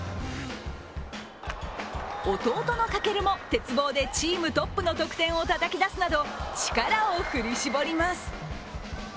弟の翔も鉄棒でチームトップの得点をたたき出すなど力を振り絞ります。